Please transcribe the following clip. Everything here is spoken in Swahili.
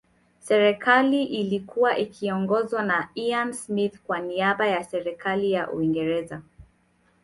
Serikali iIlikua ikiiongozwa na Ian Smith kwa niaba ya Serikali ya Uingereza